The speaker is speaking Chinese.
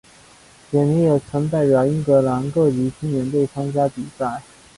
简尼也曾代表英格兰各级青年队参加比赛。